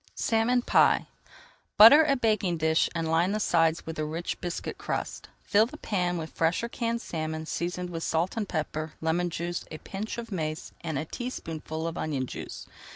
SALMON PIE Butter a baking dish and line the sides with a rich biscuit crust. Fill the pan with fresh or canned salmon, seasoned with salt and pepper, lemon juice, a pinch of mace, and a teaspoonful of onion juice.